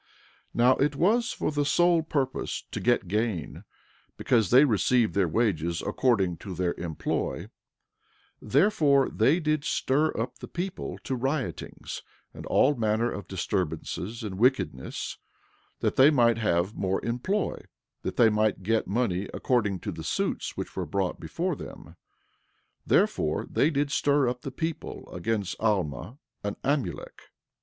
11:20 Now, it was for the sole purpose to get gain, because they received their wages according to their employ, therefore, they did stir up the people to riotings, and all manner of disturbances and wickedness, that they might have more employ, that they might get money according to the suits which were brought before them; therefore they did stir up the people against Alma and Amulek.